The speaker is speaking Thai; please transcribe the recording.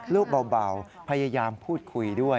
เบาพยายามพูดคุยด้วย